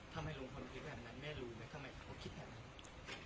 ทำไมลุงพลคิดแบบนั้นแม่รู้ไหมทำไมเขาคิดแบบนั้น